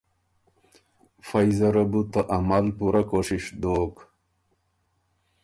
فئ زره بو ته عمل پُورۀ کوشِش دوک